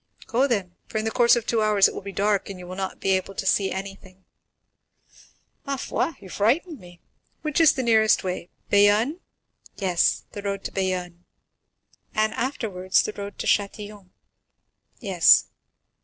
"Go then; for in the course of two hours it will be dark, and you will not be able to see anything." "Ma foi! you frighten me. Which is the nearest way? Bayonne?" "Yes; the road to Bayonne." "And afterwards the road to Châtillon?" "Yes."